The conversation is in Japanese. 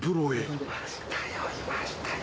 いましたよ。